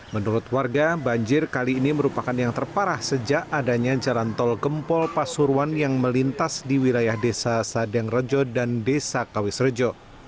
menurut warga banjir kali ini merupakan yang terparah sejak adanya jalan tol gempol pasuruan yang melintas di wilayah desa sadeng rejo dan desa kawis rejo